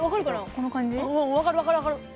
この感じ分かる分かる分かる